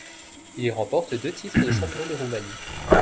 Il y remporte deux titres de Champion de Roumanie.